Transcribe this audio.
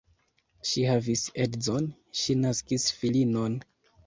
Ŝi havis edzon, ŝi naskis filinon.